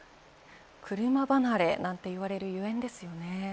車離れなんて言われるゆえんですね。